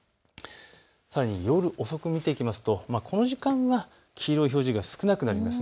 さらに夜遅く、見ていきますとこの時間は黄色い表示が少なくなります。